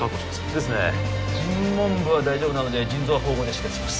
ですね腎門部は大丈夫なので腎臓は縫合で止血します